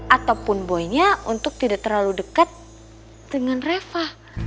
ataupun boynya untuk tidak terlalu dekat dengan reva